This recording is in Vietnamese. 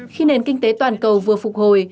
khi nền kinh tế toàn cầu vừa phục hồi